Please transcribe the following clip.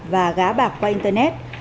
và gá bạc qua internet